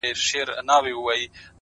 o روح مي لا ورک دی، روح یې روان دی،